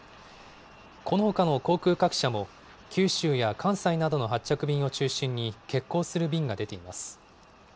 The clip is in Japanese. このほかの航空各社も、九州や関西などの発着便を中心に欠航する便が出ています。